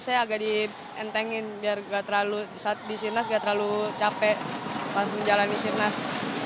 saya agak dientengin biar di sirnas gak terlalu capek pas menjalani sirnas